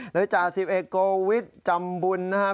หรือจ่า๑๑โกวิทย์จำบุญนะครับ